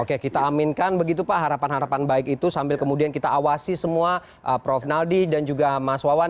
oke kita aminkan begitu pak harapan harapan baik itu sambil kemudian kita awasi semua prof naldi dan juga mas wawan